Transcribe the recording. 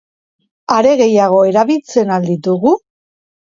Are gehiago, erabiltzen al ditugu?